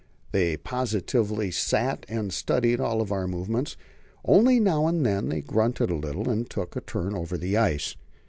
They positively sat and studied all our movements. Only now and then they grunted a little and took a turn over the ice.